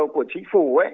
của chính phủ